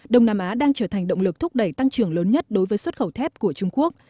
đông nam á đang trở thành động lực thúc đẩy tăng trưởng lớn nhất đối với xuất khẩu thép của trung quốc